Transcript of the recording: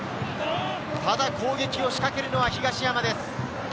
ただ、攻撃を仕掛けるのは東山です。